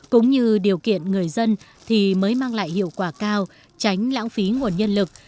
cũng như điều kiện người dân thì mới mang lại hiệu quả cao tránh lãng phí nguồn nhân lực